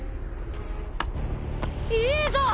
いいぞ！